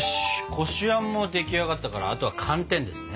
こしあんも出来上がったからあとは寒天ですね。